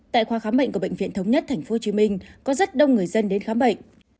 tại khoa khám bệnh của bệnh viện thống nhất tp hcm có rất đông người dân đến khám bệnh